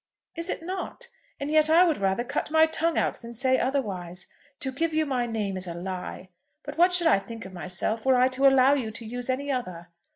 "Is it not? And yet I would rather cut my tongue out than say otherwise. To give you my name is a lie, but what should I think of myself were I to allow you to use any other?